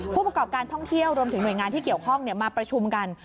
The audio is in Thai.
ผู้ประกอบการท่องเที่ยวรวมถึงหน่วยงานที่เกี่ยวข้องมาประชุมกัน